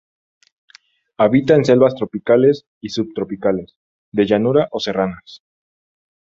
Habita en selvas tropicales y subtropicales, de llanura o serranas.